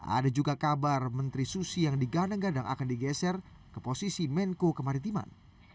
ada juga kabar menteri susi yang digadang gadang akan digeser ke posisi menko kemaritiman